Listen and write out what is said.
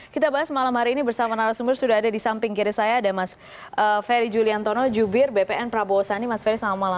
kita bahas malam hari ini bersama narasumber sudah ada di samping kiri saya ada mas ferry juliantono jubir bpn prabowo sani mas ferry selamat malam